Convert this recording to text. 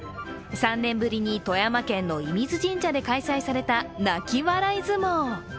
３年ぶりに富山県の射水神社で開催された泣き笑い相撲。